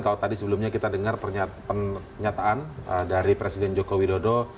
kalau tadi sebelumnya kita dengar pernyataan dari presiden joko widodo